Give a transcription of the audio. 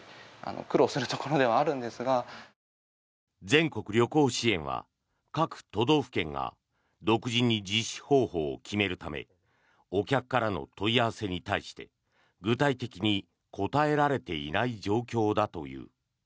全国旅行支援は各都道府県が独自に実施方法を決めるためお客からの問い合わせに対して具体的に答えられていない状況だという。